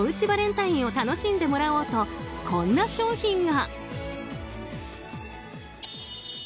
バレンタインを楽しんでもらおうとこんな商品が。